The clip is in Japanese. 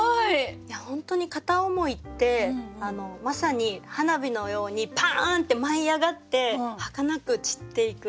本当に片思いってまさに花火のようにパーンって舞い上がってはかなく散っていく。